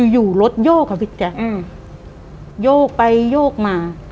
อยู่รถโยกอะพี่แจ๊คโยกไปโยกมา